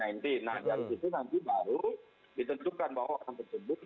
nah dari situ nanti baru ditentukan bahwa orang tersebut